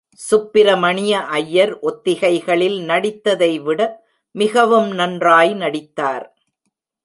சுப்பிமணிய ஐயர், ஒத்திகைகளில் நடித்ததைவிட மிகவும் நன்றாய் நடித்தார்.